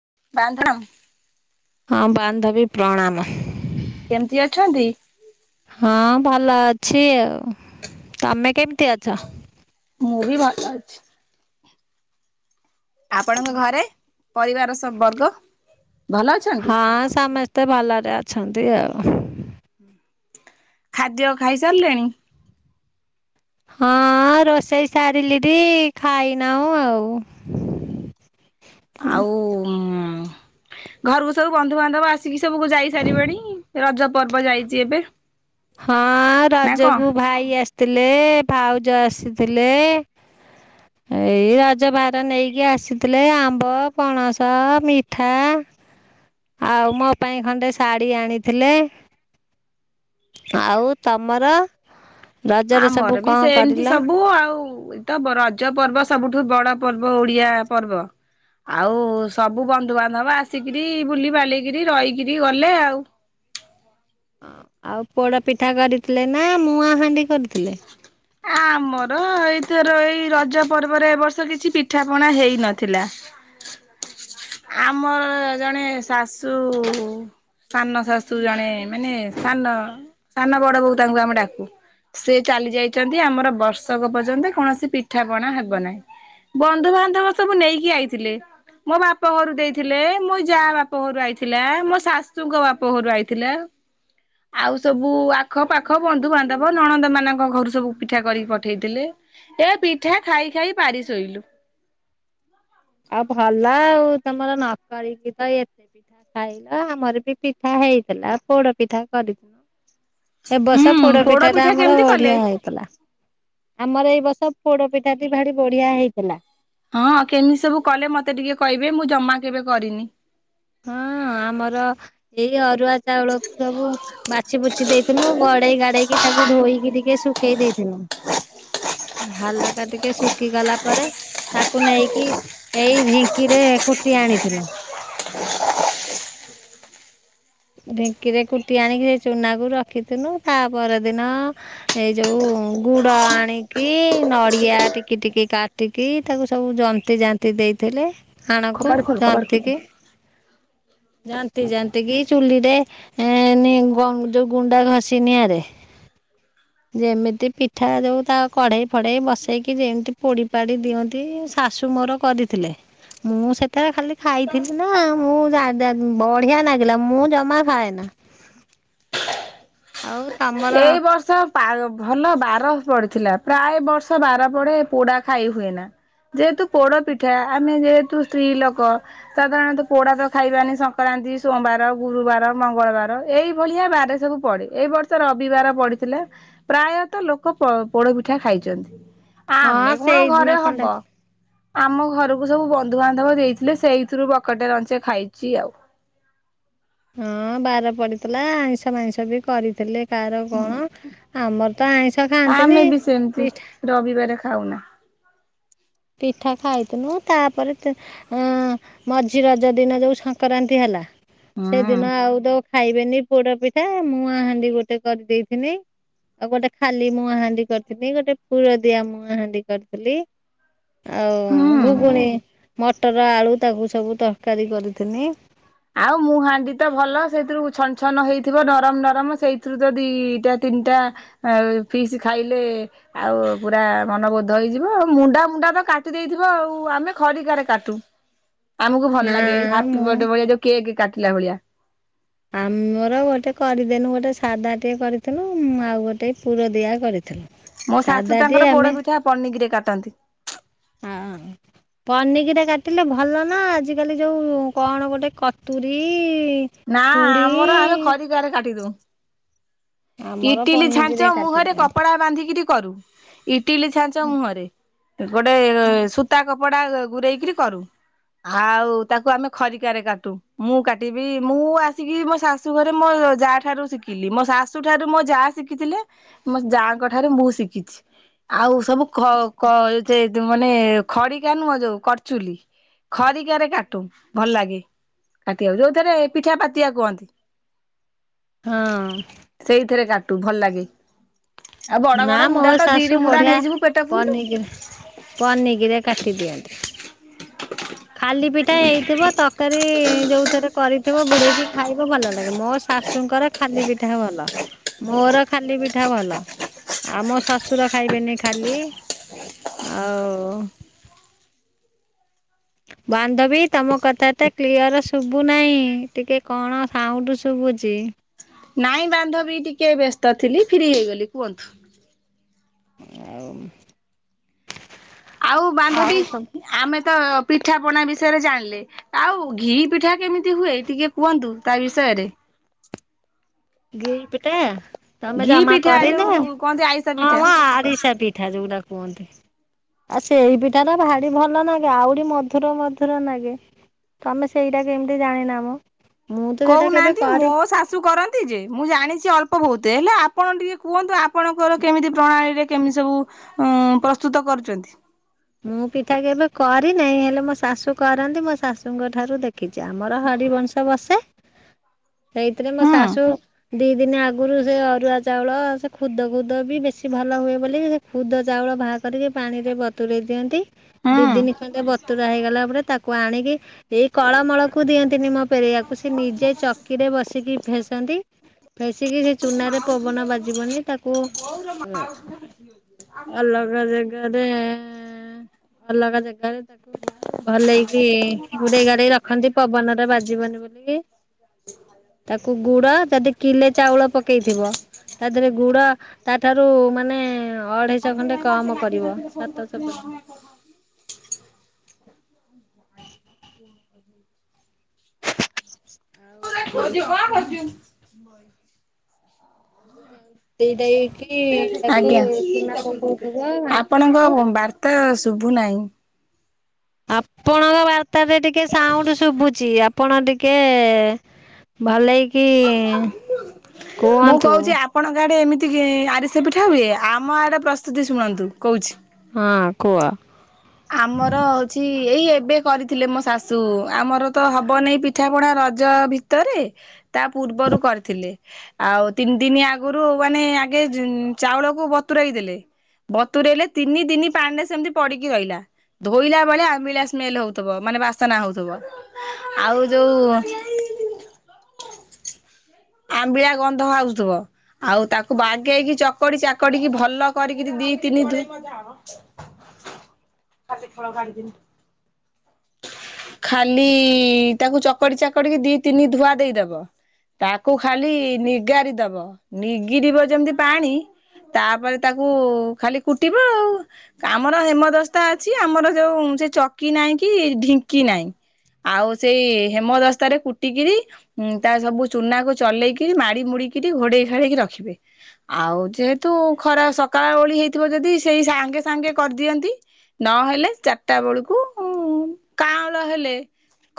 [unintelligible] ହଁ ବାନ୍ଧବୀ ପ୍ରଣାମ। କେମିତି ଅଛନ୍ତି? ହଁ ଭଲ ଅଛି ଆଉ। ତମେ କେମିତି ଅଛ? ମୁ ଭିି ଭଲ ଅଛି। ଆପଣଙ୍କ ଘରେ ପରିବାର ସବୁ ବର୍ଗ। ଭଲ ଅଛନ୍ତି? ହଁ ସମସ୍ତେ ଭଲରେ ଅଛନ୍ତି ଆଉ। ଖାଦ୍ୟ ଖାଇ ସାରିଲେଣି। ହଁ ରୋଷେଇ ସାରିଲିଡି ଖାଇନାଉ ଆଉ। ଆଉ ଉଁ ଘରକୁ ସବୁ ବନ୍ଧୁବାନ୍ଧବ ଆସ ଆସିକି ସବୁକୁୁ ଯାଇ ସାରିବେଣି ରଜ ପର୍ବ ଯାଇଛି ଏବେ। ହଁ ନା ରଜ କଣ? କୁ ଭାଇ ଆସିଥିଲେ ଭାଉଜ ଆସିଥିଲେ। ଏଇ ରଜ ଭାର ନେଇକି ଆସିଥିଲେ ଆମ୍ବ, ପଣସ, ମିଠା। ଆଉ ମୋ ପାଇଁ ଖଣ୍ଡେ ଶାଢୀ ଆଣିଥିଲେ। ଆଉ ତମର ରଜରେ ସବୁ ଆମର ବି କଣ ସେମିତି କରିଲ? ସବୁ ଆଉ ତ ରଜ ପର୍ବ ସବୁଠୁ ବଡ ପର୍ବ ଓଡିଆ ପର୍ବ। ଆଉ ସବୁ ବନ୍ଧୁବାନ୍ଧବ ଆସିକିରି ବୁଲିିବାଲିକିରି ରହିକିରି ଗଲେ ଆଉ। ହ ଆଉ ପୋଡ ପିଠା କରିଥିଲେ ନା ମୁଆଁ ହାଣ୍ଡି? କରିଥିଲେ? ଆମର ଏଇ [inaudible] ର ଏଇ ରଜ ପର୍ବରେ ଏ ବର୍ଷ କିଛି ପିଠାପଣା ହେଇନଥିଲା। ଆମର ଜଣେ ଶାଶୁଉଉ ସାନ ଶାଶୁ ଜଣେ ମାନେ ସାନ, ସାନ ବଡ ବୋଉ ତାଙ୍କୁ ଆମେ ଡାକୁ। ସେ ଚାଲି ଯାଇଛନ୍ତି ଆମର ବର୍ଷକ ପର୍ଯ୍ୟନ୍ତ କୌଣସି ପିଠାପଣା ହେବ ନାହିଁ। ବନ୍ଧୁବାନ୍ଧବ ସବୁ ନେଇକି ଆଇଥିଲେ ମୋ ବାପ୍ ପ ଘରୁ ଦେଇଥିଲେ ମୋ ଯାଆ ବାପ ଘରୁ ଆଇଥିଲା ମୋ ଶାଶୁଙ୍କ ବାପ ଘରୁ ଆଇଥିଲା ଆଉ ସବୁ ଆଖ ପାାଖ ବନ୍ଧୁବାନ୍ଧବ ନଣନ୍ଦମାନଙ୍କ ଘରୁ ସବୁ ପିଠା କରିକି ପଠେଇଥିଲେ। ଏ ପିଠା ଖାଇଖାଇ ପାରି ଶୋଇଲୁ। ଆଉ ଭଲ ଆଉ ତମର ନକରିକି ତ ଏତେ ପିଠା ଖାଇଲ ଆମର ବି ପିଠା ହେଇଥିଲା ପୋଡ ପିଠା କରିଥି ହ ଏ ବର୍ଷ ପୋଡ ପିଠାଟା ଆମର କଲେ? ବଢିଆ ହେଇଥିଲା। ଆମର ଏଇ ବର୍ଷ ପୋଡପିଠାଟି ଭାରି ବଢିଆ ହେଇଥିଲା। ହଁ କେମିତି ସବୁ କଲେ ମତେ ଟିକେ କହିବେ ମୁଁ ଜମା କେବେ କରିନି। ହଁଅ-ଅ ଆମର ଏଇ ଅର୍ ଅରୁଆ ଚାଉଳକୁ ସବୁ ବାଛିବୁଛି ଦେଇଥିଲୁ, ଗଡେଇଗାଡେଇକି ତାକୁ ଧୋଇକି ଟିକେ ଶୁଖେଇ ଦେଇଥି [inaudible] ହାଲକା ଟିକେ ଶୁଖିଗଲା ପରେ ତାକୁ ନେଇକି ଏଇ ଢିଙ୍କିରେ କୁଟି ଆଣିଥିଲୁ। ଢିଙ୍କିରେ କୁଟି ଆଣିକି ସେ ଚୁନାକୁ ରଖିଥିଲୁ ତା ପର ଦିନ ଏଇ ଯୋଉ ଗୁଡ ଆଣିକି ନଡିଆ ଟିକି ଟିକି କାଟିକି ତାକୁ ସବୁ ଜନ୍ତିଜାନ୍ତି ଦେଇଥିଲେ, ଆଣକୁ କବାଟ ଖୋଲ କବାଟ ଖୋଲ। ଜନ୍ତିକି ଏ ନି ଗୁ ଯୋଉ ଗୁଣ୍ଡ ଘଷି ନିଆଁରେ ହ ଯେମିତି ପିଠା ଯୋଉ ତା କଢେଇଫଢେଇ ବସେଇକି ଯେମିତି ପୋଡିପାଡି ଦିଅନ୍ତି ଶାଶୁ ମୋର କରିଥିଲେ, ମୁଁ ସେତେବେଳେ ଖାଲି ଖାଇଥିଲି ନା ମୁଁ ଜାଣି ବଢିଆ ଲାଗିଲା ମୁଁ ଜମା ଖାଏନା। ଆଉ ତମର? ବାର ଭଲ ବାର ପଡିଥିଲା ପ୍ରାୟ ବର୍ଷ ବାର ପଡେ ପୋଡା ଖାଇ ହୁଏନା। ଯେହେତୁ ପୋଡ ପିଠା ଆମେ ଯେହେତୁ ସ୍ତ୍ରୀ ଲୋକ ସାଧାରଣତଃ ପୋଡା ତ ଖାଇବାନି ସଂକ୍ରାନ୍ତି ସୋମବାର ଗୁରୁବାର ମଙ୍ଗଳବାର ଏଇ ଭଳିଆ ବାରେ ସବୁ ପଡେ ଏଇ ବର୍ଷ ରବିବାର ପଡିଥିଲା ପ୍ରାୟତଃ ଲୋକ ପୋ ପୋଡ ପିଠା ଖାଇଛନ୍ତି ହଁ ଆମେ କଣ ସେଇଦିନ ଘରେ ଖଣ୍ଡେ ହବ, ଆମ ଘରକୁ ସବୁ ବନ୍ଧୁବାନ୍ଧବ ଦେଇଥିଲେ ସେଇଥିରୁ ବକଟେ ରଞ୍ଚେ ଖାଇଛି ଆଉ ହଁ ଅଁ-ଅଁ ବାର ପଡିଥିଲା ଆଇଁଷଫାଇଁଷ ବି କରିଥିଲେ। କାର କଣ, ଆମର ତ ଆଇଁଷ ଖାଆନ୍ତିନି ଆମେ ବି ସେମିତି ପିଠା ରବିବାର ଖାଉନା ପିଠା ଖାଇଥିନୁ। ତାପରେ ଏଁ ମଝି ରଜ ଦିନ ଯୋଉ ସଂକ୍ରାନ୍ତି ହେଲା। ହୁଁ ସେଦିନ ଆଉ ତ ଖାଇବେନି ପୋଡା ପିଠା, ମୁଁଆଁ ହାଣ୍ଡି ଗୋଟେ କରିଦେଇଥିନି। ଆଉ ଗୋଟେ ଖାଲି ମୁଁଆଁ ହାଣ୍ଡି କରିଥିଲି। ଗୋଟେ ଫୁର ଦିଆ ମୁଁଆଁ ହାଣ୍ଡି କରିଥିଲି। ଆଉ ହୁଁ। ଘୁଗୁଣି ମଟର ଆଳୁ ତାକୁ ସବୁ ତରକାରୀ କରିଥିନି। ଆଉ ମୁଁ ହାଣ୍ଡି ତ ଭଲ ସେଇଥିରୁ ଛନ ଛନ ହେଇଥିବ, ନରମ ନରମ ସେଇଥିରୁ ତ ଦି-ଇ -ଟା ତିନିଟା ଆ ଫିସ୍ ଖାଇଲେ ଆଉ ପୁରା ମନବୋଧ ହେଇଯିବ। ଆ ମୁଣ୍ଡା ମୁଣ୍ଡା କାଟି ଦେଇଥିବ ଆଉ। ଆମେ ଖରିକାରେ କାଟୁ ଆମକୁ ଭଲ ନା ନାଗେ। ମୁଁ ହାପିବଡେ ଭଳିଆ ଯଉ କେକ୍ କାଟିଲା ଭଳିଆ। ଆମୋର ଗୋଟେ କରିଦେନୁ ଗୋଟେ ସାଧା ଟିକେ କରିଥିନୁ। ଉମ ଆଉ ଗୋଟେ ପୁର ଦିଆ କରିଥି ମୋ ଶାଶୁ ତାଙ୍କର ପୋଡ ପିଠା ପନିକିରେ କାଟନ୍ତି। ହଁ। ପନିକିରେ କାଟିଲେ ଭଲ ନା। ଆଜ କାଲି ଯୋଉ କଣ ଗୋଟେ କଟୁରୀ-ଇ ନା ଆମର ଆମେ ଛୁଡ଼ି-ଇ ଖରିକାରେ କାଟିଦଉ। ଇଟିଲି ପନିକିରେ ଛାଞ୍ଚ ମୁହଁରେ କାଟିଦିଅନ୍ତି କପଡା ବାନ୍ଧିକିରି କରୁ। ଇଟିଲି ଛାଞ୍ଚ ମୁହଁ ରେ ଗୋଟେ-ଏ ସୁତା କପ ପଡା ଗୁରେଇକରି କରୁ। ଆଉ ତାକୁ ଆମେ ଖରିକାରେ କାଟୁ। ମୁଁ କାଟିି ବି ମୁଁ ଆସିକି ମୋ ଶାଶୁ ଘରେ ମୋ ଯାଆ ଠାରୁ ଶିଖିଲି। ମୋ ଶାଶୁଠାରୁ ମୋ ଯାଆ ଶିଖିଥିଲେ। ମୋ ଯାଙ୍କ ଠାରୁ ମୁଁ ବହୁ ଶିଖିଛି। ଆଉ ସବୁ ଖ କ-କ ଯେ ମାନେ ଖରିକା ନୁହଁ ଯୋଉ କରଚୁଲି ଖରିକାରେ କାଟୁ ଭଲ ଲାଗେ। କାଟିବାକୁ। ଯୋଉଥିରେ ପିଠା ପାତିଆ କୁହନ୍ତି। ହଁ। ଟୁ ଭଲ ଲାଗେ। ଆଉ ବଡ ନା ବଡ ମୋ ମୁଣ୍ଡା ତ ଦିରେ ଶାଶୁ ମୁଣ୍ଡା ବଢିଆ ନେଇଯିବୁ ପେଟ ଫୁଲୁ। ପନିକିରେ ପନିକିରେ କାଟି ଦିଅନ୍ତି। ଖାଲି ପିଠା ହେଇଥିବ, ତରକାରୀ ଯୋଉଥିରେ କରିଥିବ ବୁଡେଇକି ଖାଇବ ଭଲ। ଭଲ ଲାଗେ। ମୋ ଶାଶୁଙ୍କର ଖାଲି ପିଠା ଭଲ। ମୋର ଖାଲି ପିଠା ଭଲ। ଆଉ ମୋ ଶଶୁର ଖାଇବେନି ଖାଲି। ଆଉ! ବାନ୍ଧବୀ ତମ କଥା ଏତେ କ୍ଲିୟର ଶୁଭୁ ନାହିଁ। ଟିକେ କଣ ସାଉଣ୍ଡ ଶୁୁ ବୁଚି। ନାଇଁ ବାନ୍ଧବୀ ଟିକେ ବ୍ୟସ୍ତ ଥିଲି ଫ୍ରୀ ହେଇଗଲି କୁହନ୍ତୁ। ଆଉ, ଆଉ ବାନ୍ଧବୀ ଆମେ ତ ପିଠା ପଣା ବିଷୟରେ ଜାଣିଲେ। ଆଉ ଘି ପିଠା କେମିତି ହୁଏ ଟିକେ କୁହନ୍ତୁ ତା ବିଷୟ ରେ। ଗିର ପିଟା। ତମେ ଘି ଜମା ପିଠା କରିନ? ଯୋଉ କହନ୍ତି ଆଇଁଷ ପିଠା। ହମ ଆରିସା ପିଠା ଯୋଉଗୁଡା କୁହନ୍ତି। ଆଉ ସେଇ ପିଠା ଟା ଭାରି ଭଲ ନାଗେ। ଆହୁରି ମଧୁର ମଧୁର ଲାଗେ। ତମେ ସେଇଟା କେମିତି ଜାଣିନା ମ? ମୁଁ ତ ସେଇଟା କେବେ କହୁନାହାଁନ୍ତି। ମୋ କରି ଶାଶୁ କରନ୍ତି ଯେ, ମୁଁ ଜାଣିଛି ଅଳ୍ପ ବହୁତ। ହେଲେ ଆପଣ ଟିକେ କୁହନ୍ତୁ। ଆପଣଙ୍କର କେମିତି ପ୍ରଣାଳୀରେ କେମିତି ସବୁ ଉଁ ପ୍ରସ୍ତୁତ କରୁଛନ୍ତି? ମୁଁ ପିଠା କେବେ କରି ନେଇ, ହେଲେ ମୋ ଶାଶୁ କରନ୍ତି ମୋ ଶାଶୁଙ୍କ ଠାରୁ ଦେଖ ଖିଛି। ଆମର ହରିିବଂଶ ବସେ। ସେଇଥିରେ ମୋ ହୁଁ ଶାଶୁ ଦି ଦିନ ଆଗରୁ, ସେ ଅରୁଆ ଚାଉଳ ସେ ଖୁଦ ଖୁଦ ବି ବେଶୀ ଭଲ ହୁଏ ବୋଲି, ସେ ଖୁଦ ଚାଉଳ ବାହ କରିକି ପାଣିରେ ବ୍ ବତୁରେଇ ଦିଅନ୍ତି। ଦି ହୁଁ ଦିନି ଖଣ୍ଡେ ବତୁୁରା ହେଇଗଲା ପରେ ତାକୁ ଆଣିକି ଏଇ କଳମଳକୁ ଦିଅନ୍ତିନି ମ ରେଆ କୁ ସେ ନିଜେ ଚକିରେ ବସି କି ଫେସନ୍ତି। ଫେସ୍ ମାଉସୀର ତାକୁ ବୋଉର ମାଉସୀର [unintelligible] [unintelligible] ଅଲଗା ଜେଗାରେ ଭଲେଇକି ଗୁଡେଇ ଗାଡେଇ ରଖନ୍ତି ପବନରେ ବାଜିବନି ବୋଲିକି। ତାକୁ ଗୁଡ ଯଦି କିଲେ ଚାଉଳ ପକେଇଥିବ। ତା ଦେହରେ ଗୁଡ ତାଠାରୁ ମାନେ ଅଢେଇଶ ଖଣ୍ଡେ କମ କରିବ [unintelligible] ଆଜି ବା କଣ [inaudible] ଦେଇଦେଇକି [unintelligible] ତାକୁ ଆଜ୍ଞା ଚୁନା ପକଉଥିବ ଘାଣ୍ଟୁଥିବ ଆପଣଙ୍କ ବାର୍ତ୍ତା ସୁ ଶୁବୁ ନାଇଁ। ଆପଣଙ୍କ ବାର୍ତ୍ତାରେ ଟିକେ ସାଉଣ୍ଡ ଶୁବୁଚି ଆପଣ ଟିକେ ଭଲେଇ ମୁଁ କୋହୁଚି ଆପଣଙ୍କାଡେ ଏମିତି ଏତିକି ଆରିସା ପିଠା ହୁଏ। ଆମ ଆଡେ ପ୍ରସ୍ତୁତି ଶୁଣନ୍ତୁ କୋଉଚି। ହଁ କୁହ‌। ଆମର ହୋଉଚି ଏଇ ଏବେ କରିଥିଲେ ମୋ ଶାଶୁ ଆମର ତ ହବନି ପିଠା ପଣା ରଜ ଭିତରେ। ତା ପୂର୍ବରୁ କରିଥିଲେ ଆଉ ତିନି ଦିନି ଆଗରୁ ମାନେ ଆଗେ [unintelligible] ଚାଉଳକୁ ବ ତୁରଇ ଦେେଲେ ବତୁରଇଲେ ତିନି ଦିନି ପାଣିରେ ସେମିତି ପଡିକି ରହିଲା। ଧୋଇଲା ବେଳେ ଆମ୍ବିଳା ସ୍ମେଲ ହୋଉଥିବ ମାନେ ବାସ୍ନା ହୋଉଥିବ ଆଉ ଯୋଉ ଆମ୍ବିଳା ଗନ୍ଧ ଆସୁଥିବ। ଆଉ ତାକୁ ବାଗେଇକି ଚକଡି ଚାକାଡିକି ଭଲ କରିକି ଦି ତିନି ଥ୍ରି ଖାଲି ଫଳ କାଢିଥିନି। ଖାଲି ତାକୁ ଚକଡି ଚାକାଡିକି ଦି ତିନି ଧୁଆ ଦେଇଦବ। ତାକୁ ଖାଲି ନିଗାରି ଦବ ନିଗିିବ ଯେମିତି ପାଣି ତାପରେ ତାକୁ ଖାଲି କୁଟିବ ଆଉ ଆମର ହେମଦସ୍ତା ଅଛି ଆମର ଯୋଉ ସେ ଚକି ନାହିଁ କି ଢିଙ୍କି ନାହିଁ। ଆଉ ସେ ହେମଦସ୍ତାରେ କୁଟିକିରି ଉଁ ତା ସବୁ ଚୁନାକୁ ଚଲେଇକିରି ମାଡି ମୁଡିିକିରି ଘୋଡେଇ ଘାଡେଇକି ରଖିବେ ଆଉ ଯେହେତୁ ଖରା ସ କାଳ ଓଳି ହେଇଥିବ ଯଦି ସେଇ ସାଙ୍ଗେ ସାଙ୍ଗେ କରିଦିଅନ୍ତି। ନହେଲେ ଚାରିଟା ବେଳକୁ କାଁଳ ହେଲେ।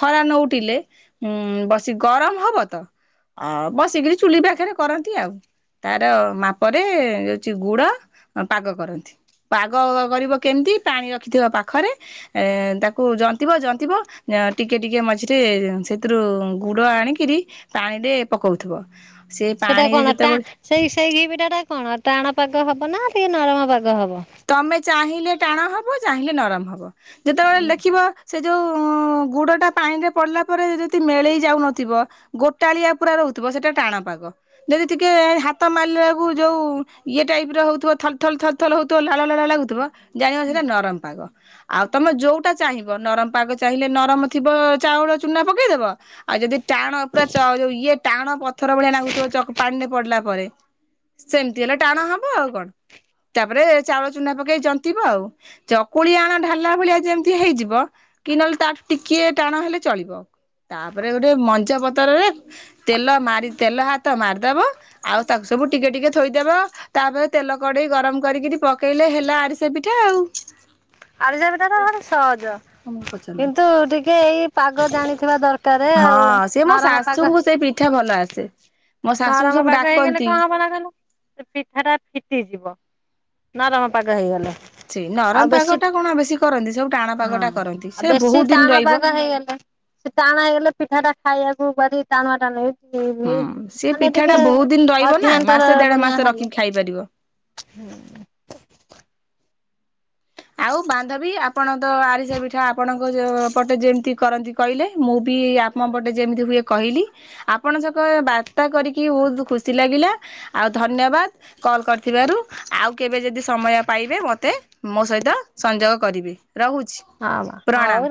ଖରା ନୋଉଠିଲେ ଉଁ ବସି ଗରମ ହବ ତ। ଆ ବସିକିରି ଚୁଲି ପାଖରେ କରନ୍ତି ଆଉ। ତାର ମାପରେ ଯୋଉଚି ଗୁଡ ପାଗ କରନ୍ତି। ପାଗ କରିବ କେମି ତି ପାଣି ରଖିଥିବ ପାଖରେ ଏ ତାକୁ ଜନ୍ତିବ ଜନ୍ତିବ ଯା ଟିକେ ଟିକେ ମଝିରେ ସେଥିରୁ ଗୁଡ ଆଣିକିରି ପାଣିରେ ପକୋଉଥିବ। ସେଟା କଣ ଟା ସେଇ ସେଇ ଘିପିଟା ଟା କଣ ଟାଣ ପାଗ ହବ ନା ଟିକେ ନରମ ପାଗ ହବ। ତମେ ଚାହିଁଲେ ଟାଣ ହବ। ଚାହିଁଲେ ନରମ ହବ। ଯେତେବେଳେ ଲେଖିବ ସେ ଯୋଉ ଗୁଡଟା ପାଣିରେ ପଡିଲା ପରେ ଯଦି ମେଳେଇ ଯାଉନଥିବ ଗୋଟାଳିଆ ପୁରା ର ହୁଥିବ ସେଟା ଟାଣ ପାଗ। ଯଦି ଟିକିଏ ହାତ ମାରିଲା ବେଳକୁ ଯୋଉ ଇଏ ଟାଇପ୍ ର ହୋଉଥିବା ଥାଲ୍ ଥାଲ୍ ଥାଲ୍ ଥାଲ୍ ଥାଲ୍ ହୋଉଥିବ ଲାଳୁଆ ଲାଳୁଆ ଲାଗୁଥିବ ଜାଣିବ ସେଇଟା ନରମ ପାଗ। ଆଉ ତମେ ଯୋଉଟା ଚାହିଁବ ନରମ ପାଗ ଚାହିଁଲେ ନରମ ଥିବ ଚାଉଳ ଚୁନା ପକେଇଦବ। ଆଉ ଯଦି ଟାଣ ପୁରା ଚ ଯୋଉ ଇଏ ଟାଣ ପଥର ଭଳିଆ ଲାଗୁଥିବ ଚ ପାଣିରେ ପଡିଲା ପରେ ସେମିତି ହେଲେ ଟାଣ ହବ ଆଉ କଣ ତାପରେ ଚାଉଳ ଚୁନା ପକେଇ ଜନ୍ତିବ ଆଉ ଚକୁଳି ଆଣ ଢାଲିଲା ଭଳିଆ ଯେମିତି ହେଇଯିବ କି ନହେଲେ ତାଠୁ ଟିକିଏ ଟାଣ ହେଲେ ଚଳିବ। ତାପରେ ଗୋଟେ ମଞ୍ଜ ପତରରେ ତେଲ ମାରି ତେଲ ହାତ ମାରିଦବ ଆଉ ତାକୁ ସବୁ ଟିକେ ଟିକେ ଥୋଇଦବ ତାପରେ ତେଲ କଡେଇ ଗରମ କରିକିରି ପ କେଇଲେ ହେଲା ଆରିସି ପିଠା ଆଉ। ଆରସି ପିଠା ଟା ଭାରି ସହଜ। ତମକୁ ପଚାରୁନି କିନ୍ତୁ ଟିକେ ଏଇ ପାଗ ଜାଣିଥିବା ଦରକାର ଆଉ ହଁ ସେ ମୋ ନରମ ପାଗ। ଶାଶୁଙ୍କୁ ସେଇ ପିଠା ଭଲ ଆସେ। ମୋ ଶାଶୁଙ୍କୁ ନରମ ସବୁ ପାଗ ହେଇଗଲେ ଡାକନ୍ତି। କଣ ହବ ନା କହିଲ ସେ ପିଠା ଟା ଫିଟିଯିବ। ନରମ ପାଗ ହେଇଗଲେ। ସେଇ ନରମ ଆଉ ପାଗ ବେଶୀ। ଟା କଣ ବେଶୀ କରନ୍ତି ସବୁ ଟାଣ ପାଗ ହଁ ଟା କରନ୍ତି ଆଉ ସେ ବେଶୀ ବହୁତ ଦିନ ଟାଣ ରହିବ। ପାଗ ହେଇଗଲା। ସେ ଟାଣ ହେଇଗଲେ ପିଠା ଟା ଖାଇବାକୁ ଭାରି ଟାଣୁଆ ଟା ହୁଁ [unintelligible] ସେ ପିଠାଟା ବହୁତ ଦିନ ରହିବ ନା ମାସେ ଦେଢ ପୁଣିଆ ମାସ ଖାଲି ରଖିକି ଖାଇପାରିବ। [inaudible] ଆଉ ବାନ୍ଧବୀ ଆପଣ ତ ଆରିସା ପିଠା ଆପଣଙ୍କ ପଟେ ଯେମିତି କରନ୍ତି କହିଲେ ମୁଁ ବି ଆମ ପଟେ ଯେମିତି ହୁଏ କହିଲି ଆପଣକ ସହ ବାର୍ତ୍ତା କରିକି ବହୁତ ଖୁସି ଲାଗିଲା। ଆଉ ଧନ୍ୟବାଦ କଲ କରିଥିବାରୁ ଆଉ କେବେ ଯଦି ସମୟ ପାଇବେ ମୋତେ ମୋ ସହିତ ତ ସଂଯୋଗ କରିବି। ହ ହଉ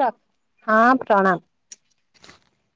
ହଁ ପ୍ରଣାାମ।